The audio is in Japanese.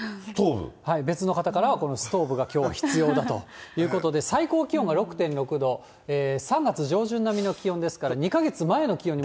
別の方からは、このストーブがきょうは必要だということで、最高気温が６．６度、３月上旬並みの気温ですから、２か月前の気温に。